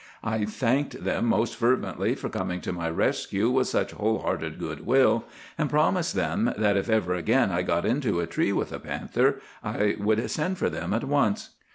I thanked them most fervently for coming to my rescue with such whole hearted good will, and promised them that if ever again I got into a tree with a panther I would send for them at once.